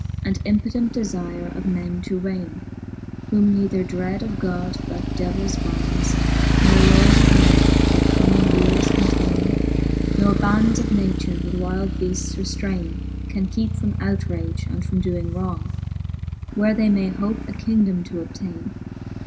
And impotent defire of men to raine ! Whom neither dread of God, that devills bindes. Nor lawea of men, that common weales containe. Nor bands of nature, that wilde beaftes reftraine, Can keepe from outrage, and from doing wrong, Where they may hope a kingdome to obtaine.